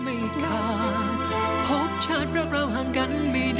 เอาไปกัน